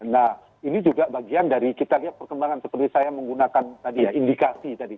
nah ini juga bagian dari kita lihat perkembangan seperti saya menggunakan tadi ya indikasi tadi